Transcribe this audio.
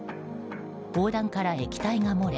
砲弾から液体が漏れ